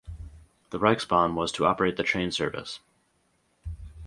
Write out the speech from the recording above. The Reichsbahn was to operate the train service.